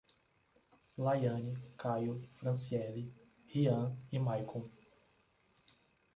Laiane, Kaio, Francieli, Ryan e Maycon